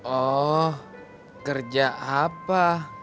oh kerja apa